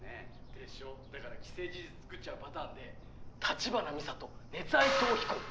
でしょだから既成事実つくっちゃうパターンで橘美沙と熱愛逃避行！